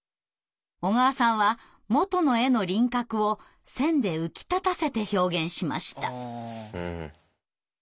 小川さんは元の絵の輪郭を線で浮き立たせて表現しました。